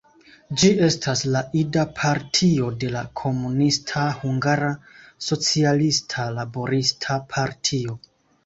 Ĝi estas la ida partio de la komunista Hungara Socialista Laborista Partio.